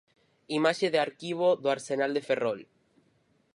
Imaxe de arquivo do Arsenal de Ferrol.